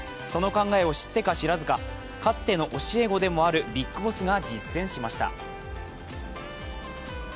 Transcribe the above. その考えを知ってか知らずか、かつての教え子でもあるビッグボスが実践しました。